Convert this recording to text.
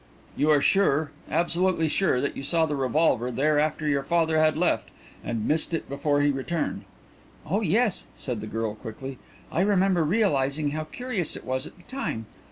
"You are sure, absolutely sure, that you saw the revolver there after your father had left, and missed it before he returned?" "Oh yes," said the girl quickly; "I remember realizing how curious it was at the time.